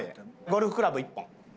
ゴルフクラブ１本。